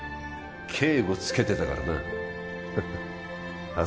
警護つけてたからなああ